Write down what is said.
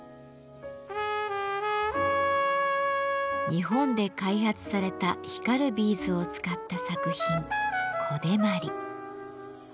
日本で開発された光るビーズを使った作品「小手毬」。